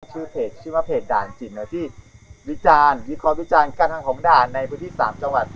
ชื่อเพจชื่อว่าเพจด่านจิ๋มที่วิจารณ์วิเคราะห์วิจารณ์การทำของด่านในพื้นที่๓จังหวัด